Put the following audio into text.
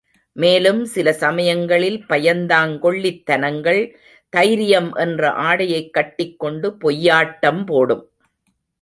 மேலும் சில சமயங்களில் பயந்தாங்கொள்ளித் தனங்கள், தைரியம் என்ற ஆடையைக் கட்டிக் கொண்டு பொய்யாட்டம் போடும்.